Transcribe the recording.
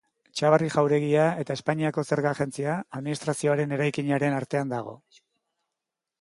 Txabarri jauregia eta Espainiako Zerga Agentzia Administrazioaren eraikinaren artean dago.